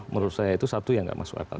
menurut saya itu satu yang tidak masuk akal